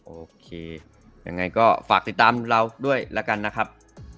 โอเคยังไงก็ฝากติดตามเราด้วยแล้วกันนะครับ